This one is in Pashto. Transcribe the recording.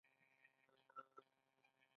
ځکه چې تخت پرې ولاړ دی.